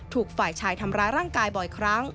ถูกฝ่ายชายทำร้ายร่างกายบ่อยครั้ง